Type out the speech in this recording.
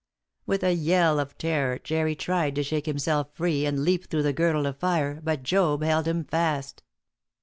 With a yell of terror, Jerry tried to shake himself free, and leap through the girdle of fire but Job held him fast.